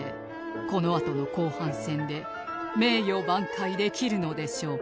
このあとの後半戦で名誉挽回できるのでしょうか？